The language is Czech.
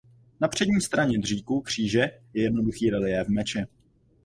Na přední straně dříku kříže je jednoduchý reliéf meče.